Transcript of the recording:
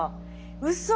うそ！